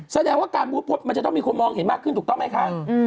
แสดงว่าการบูธโพสต์มันจะต้องมีคนมองเห็นมากขึ้นถูกต้องไหมคะ